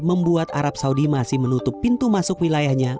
membuat arab saudi masih menutup pintu masuk wilayahnya